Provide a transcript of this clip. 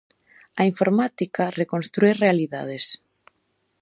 A informática reconstrúe realidades.